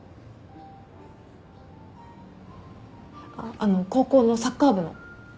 あっあの高校のサッカー部の。